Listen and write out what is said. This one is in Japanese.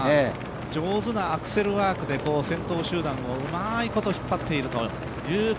上手なアクセルワークで先頭集団をうまいこと引っ張っているという。